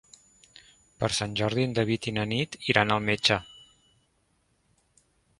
Per Sant Jordi en David i na Nit iran al metge.